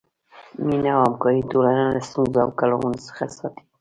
مینه او همکاري ټولنه له ستونزو او کړاوونو څخه ساتي.